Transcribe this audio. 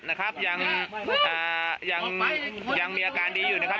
นะครับยังอ่ายังยังมีอาการดีอยู่นะครับ